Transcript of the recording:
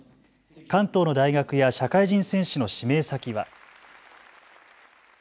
関東の大学や社会人選手の指名先は。